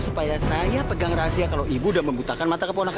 supaya saya pegang rahasia kalau ibu udah membutakan mata kepala anak saya